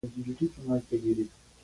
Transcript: دا ښځه ډاکټره ده.